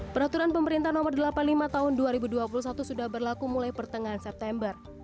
peraturan pemerintah nomor delapan puluh lima tahun dua ribu dua puluh satu sudah berlaku mulai pertengahan september